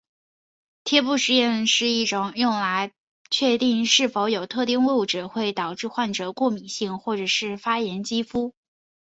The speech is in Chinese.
贴布试验是一种用来确定是否有特定物质会导致患者过敏性或发炎肌肤。